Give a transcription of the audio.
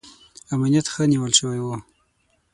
امنیت ښه نیول شوی و.